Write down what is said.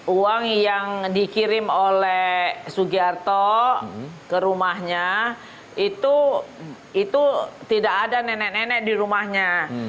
uang yang dikirim oleh sugiarto ke rumahnya itu tidak ada nenek nenek di rumahnya